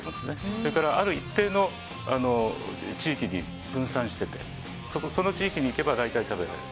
それからある一定の地域に分散していてその地域に行けば大体食べられる。